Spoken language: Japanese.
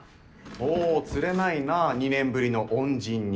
おぉつれないな２年ぶりの恩人に。